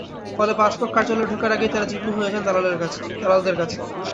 ফলে পাসপোর্ট কার্যালয়ে ঢোকার আগেই তাঁরা জিম্মি হয়ে যান দালালদের কাছে।